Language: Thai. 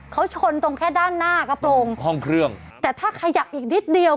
เขาชนตรงแค่ด้านหน้ากระโปรงห้องเครื่องแต่ถ้าขยับอีกนิดเดียว